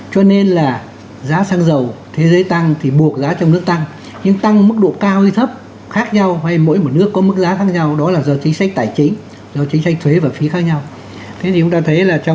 thì giá xăng dầu tăng cao nhất